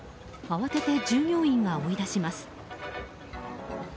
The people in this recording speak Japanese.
慌てて従業員が追い出します。